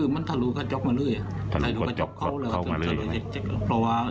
มันถรูขาดจ๊อกให้เล่นมาเร็ว